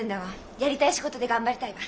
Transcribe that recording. やりたい仕事で頑張りたいわ。